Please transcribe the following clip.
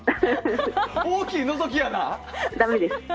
大きいのぞき穴。